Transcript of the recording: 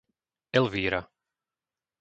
Elvíra